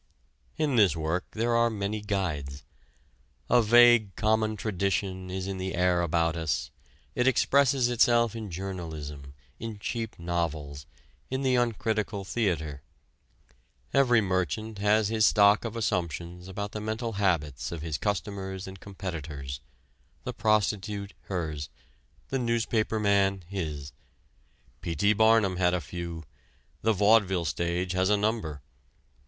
In this work there are many guides. A vague common tradition is in the air about us it expresses itself in journalism, in cheap novels, in the uncritical theater. Every merchant has his stock of assumptions about the mental habits of his customers and competitors; the prostitute hers; the newspaperman his; P. T. Barnum had a few; the vaudeville stage has a number.